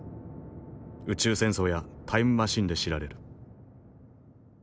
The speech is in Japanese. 「宇宙戦争」や「タイムマシン」で知られる。